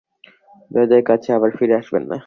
দরজার কাছ থেকে আবার ফিরে আসবেন না।